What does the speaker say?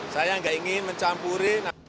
saya nggak ingin mencampuri